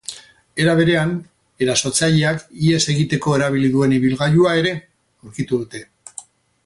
Era berean, erasotzaileak ihes egiteko erabili duen ibilgailua ere aurkitu dute.